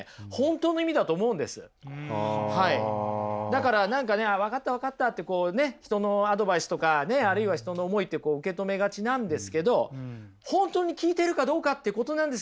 だから何かね分かった分かったってこうね人のアドバイスとかねあるいは人の思いってこう受け止めがちなんですけど本当に聞いてるかどうかってことなんですよね！